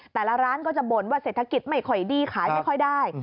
แต่ละร้านก็จะบ่นว่าเศรษฐกิจไม่ค่อยดีขายไม่ค่อยได้